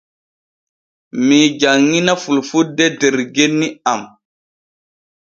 Mii janŋina fulfulde der genni am.